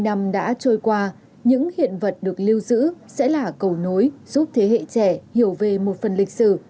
bảy mươi năm đã trôi qua những hiện vật được lưu giữ sẽ là cầu nối giúp thế hệ trẻ hiểu về một phần lịch sử